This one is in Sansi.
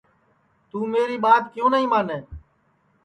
توں میری ٻات کیوں نائی مانے